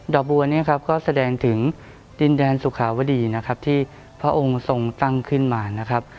ดอกบัวนี่ก็แสดงถึงดินแดนสุขาวดีที่พระองค์ทรงตั้งขึ้นมา